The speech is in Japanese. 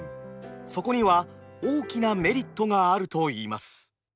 そこには大きなメリットがあると言います。